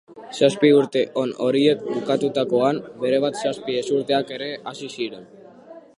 Zazpi urte on horiek bukatutakoan, berebat zazpi ezurteak ere hasi ziren.